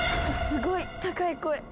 すごい高い声。